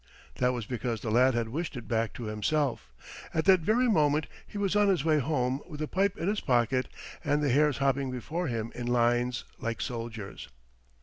That was because the lad had wished it back to himself. At that very moment he was on his way home with the pipe in his pocket and the hares hopping before him in lines like soldiers.